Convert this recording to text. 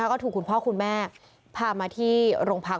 ก็ถูกคุณพ่อคุณแม่พามาที่โรงพัก